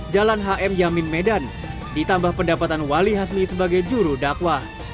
jalan hm yamin medan ditambah pendapatan wali hasmi sebagai juru dakwah